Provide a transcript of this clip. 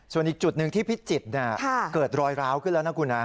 ส่วนอีกจุดหนึ่งที่พิจิตรเกิดรอยร้าวขึ้นแล้วนะคุณนะ